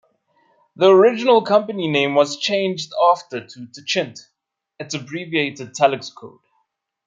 The original company name was changed after to "Techint", its abbreviated telex code.